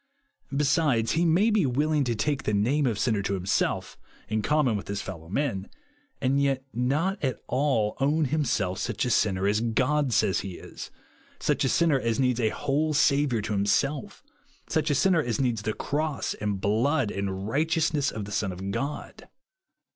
Besides, he may be vvdhing to take the name of sinner to himself, in common with his fellow men, and yet not at all own himself such a sinner as God says he is, — such a sinner as needs a v/hole Saviour to himself, — such a sinner as needs the cross, and blood, and righteousness of the Son of GOD S CHARACTER God.